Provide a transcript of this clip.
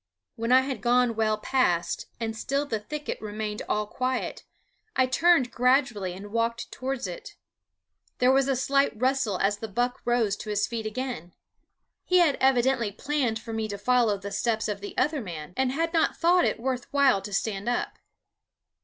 When I had gone well past and still the thicket remained all quiet, I turned gradually and walked towards it. There was a slight rustle as the buck rose to his feet again. He had evidently planned for me to follow the steps of the other man, and had not thought it worth while to stand up.